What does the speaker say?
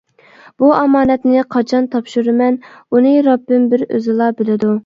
بۇ ئامانەتنى قاچان تاپشۇرىمەن ئۇنى رەببىم بىر ئۆزىلا بىلىدۇ.